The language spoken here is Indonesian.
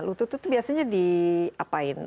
lutut itu biasanya diapain